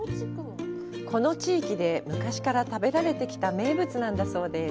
この地域で昔から食べられてきた名物なんだそうです。